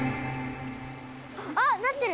あっなってる。